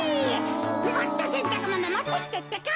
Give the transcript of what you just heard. もっとせんたくものもってきてってか。